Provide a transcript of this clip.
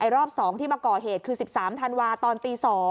รอบ๒ที่มาก่อเหตุคือ๑๓ธันวาตอนตี๒